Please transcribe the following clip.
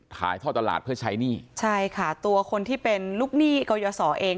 ท่อตลาดเพื่อใช้หนี้ใช่ค่ะตัวคนที่เป็นลูกหนี้กรยศเอง